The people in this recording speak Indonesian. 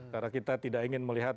karena kita tidak ingin melihat